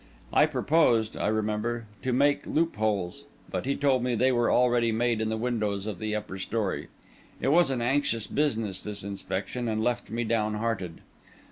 I proposed, I remember, to make loop holes; but he told me they were already made in the windows of the upper story. It was an anxious business this inspection, and left me down hearted.